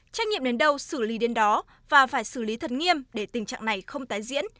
trách nhiệm đến đâu xử lý đến đó và phải xử lý thật nghiêm để tình trạng này không tái diễn